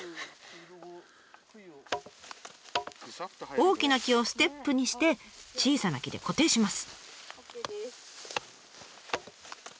大きな木をステップにして小さな木で固定します。